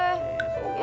eh enggak ya